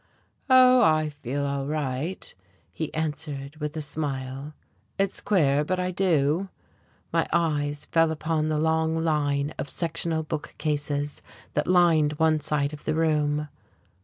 "Oh, I feel all right," he answered, with a smile. "It's queer, but I do." My eye fell upon the long line of sectional book cases that lined one side of the room.